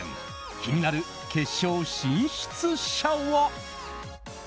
気になる決勝進出者は。